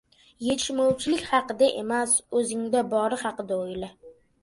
• Yetishmovchilik haqida emas, o‘zingda bori haqida o‘yla.